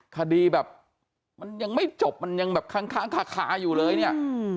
คดีแบบมันยังไม่จบมันยังแบบค้างคาอยู่เลยเนี่ย